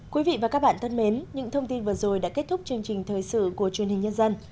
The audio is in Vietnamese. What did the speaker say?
quý vị và các bạn thân mến những thông tin vừa rồi đã kết thúc chương trình thời sự của truyền hình nhân dân